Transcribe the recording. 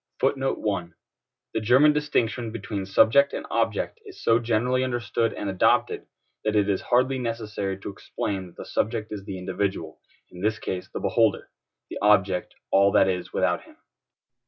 The German distinction between subject and object is so generally understood and adopted, that it is hardly necessary to explain that the subject is the individual, in this case the beholder; the object, all that is without him.